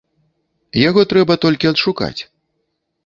Яго трэба толькі адшукаць.